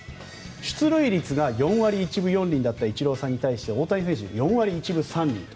出塁率が４割１分４厘だったイチローさんに対して大谷選手は４割１分３厘。